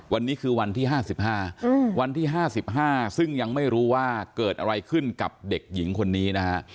วันนี้คือวันที่๕๕วันที่๕๕ซึ่งยังไม่รู้ว่าเกิดอะไรขึ้นกับเด็กหญิงคนนี้นะฮะ